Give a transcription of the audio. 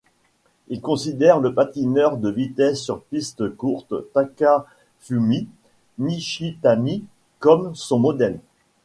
Il considère le patineur de vitesse sur piste courte Takafumi Nishitani comme son modèle.